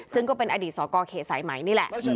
ซึ่งก็เป็นอดีตสกเขตสายไหมนี่แหละ